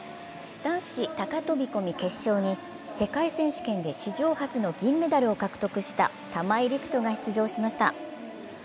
男子高飛込決勝に世界選手権で史上初の銀メダルを獲得した玉井陸斗が出場しました。